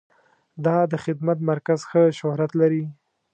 دا د خدمت مرکز ښه شهرت لري.